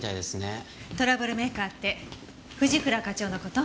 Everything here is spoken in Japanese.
トラブルメーカーって藤倉課長の事？